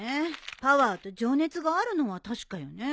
パワーと情熱があるのは確かよね。